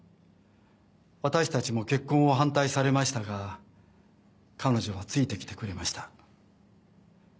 私たちも結婚を反対されましたが彼女はついてきてくれました。